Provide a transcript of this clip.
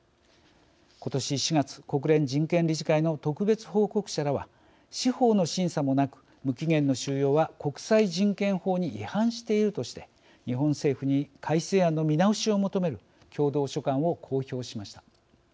今年４月国連人権理事会の特別報告者らは司法の審査もなく無期限の収容は国際人権法に違反しているとして日本政府に改正案の見直しを求める共同書簡を公表しました。